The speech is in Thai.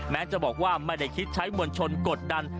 แม้จะบอกว่าไม่ได้คิดใช้มวลชนกดดัน